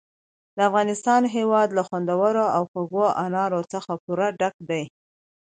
د افغانستان هېواد له خوندورو او خوږو انارو څخه پوره ډک دی.